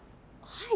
はい。